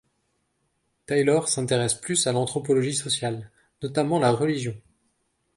Tylor s'intéresse plus à l'anthropologie sociale, notamment la religion.